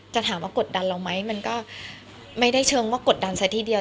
จะถามว่ากดดันเราไหมมันก็ไม่ได้เชิงว่ากดดันซะทีเดียว